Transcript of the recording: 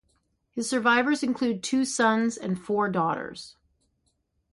His survivors include two sons and four daughters.